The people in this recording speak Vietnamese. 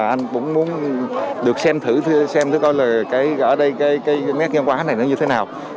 anh cũng muốn được xem thử xem thử coi là ở đây cái nét nhân quán này nó như thế nào